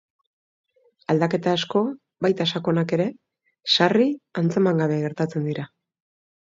Aldaketa asko, baita sakonenak ere, sarri antzeman gabe gertatzen dira.